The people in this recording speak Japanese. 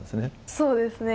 そうですね。